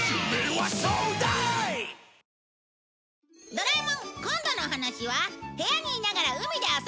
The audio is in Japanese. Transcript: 『ドラえもん』今度のお話は部屋にいながら海で遊ぼう！